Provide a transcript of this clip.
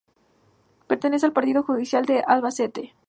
Pertenece al partido judicial de Albacete.